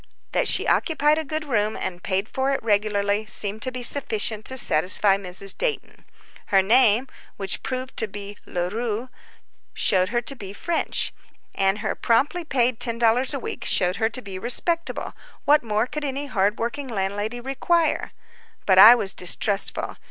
That she occupied a good room and paid for it regularly seemed to be sufficient to satisfy Mrs. Dayton. Her name, which proved to be Leroux, showed her to be French, and her promptly paid $10 a week showed her to be respectable—what more could any hard working landlady require? But I was distrustful.